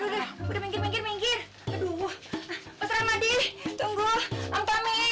udah udah minggir minggir minggir aduh mas rahmadi tunggu ampami iya iya iya iya